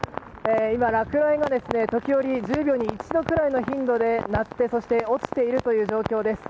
今、落雷が時折１０秒に一度くらいの頻度で鳴ってそして、落ちている状況です。